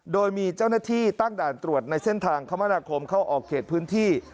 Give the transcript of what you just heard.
โดยมีเจ้าหน้าที่ตั้งด่านตรวจในเส้นทางคมนาคมเข้าออกเขตพื้นที่